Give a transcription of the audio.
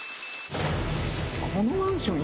このマンション